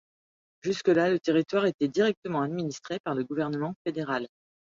Jusque-là, le territoire était directement administré par le gouvernement fédéral.